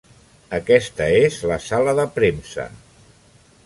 Aquesta és la sala de premsa.